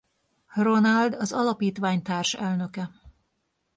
Ronald az Alapítvány társelnöke.